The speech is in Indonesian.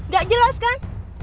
gak jelas kan